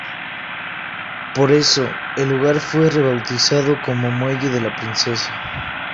Por eso, el lugar fue rebautizado como muelle de la Princesa.